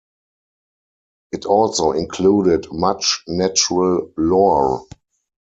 It also included much natural lore.